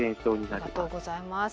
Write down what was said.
ありがとうございます。